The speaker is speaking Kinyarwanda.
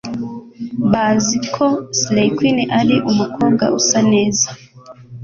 Bazi ko Slay Queen ari umukobwa usa neza